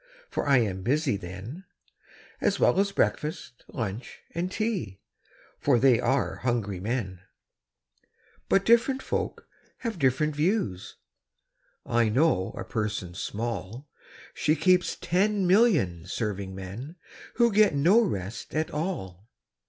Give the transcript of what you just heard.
For I am busy then, As well as breakfast, lunch, and tea, For they are hungry men: But different folk have different views: I know a person small She keeps ten million serving men, Who get no rest at all!